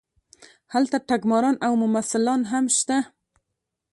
هلته ټګماران او ممثلان هم شته.